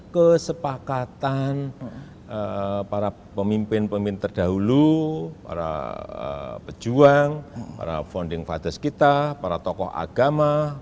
kesepakatan para pemimpin pemimpin terdahulu para pejuang para founding fathers kita para tokoh agama